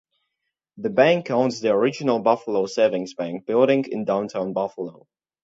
The bank owns the original Buffalo Savings Bank building in downtown Buffalo.